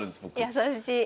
優しい。